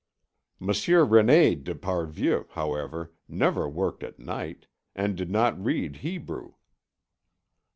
Monsieur René d'Esparvieu, however, never worked at night, and did not read Hebrew.